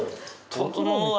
ととのうわ。